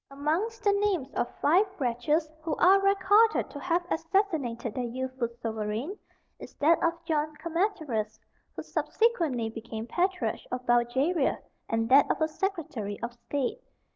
Amongst the names of the five wretches who are recorded to have assassinated their youthful sovereign, is that of John Camaterus, who subsequently became Patriarch of Bulgaria, and that of a Secretary of State.